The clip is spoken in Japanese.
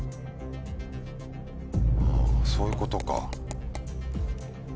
そういうことか。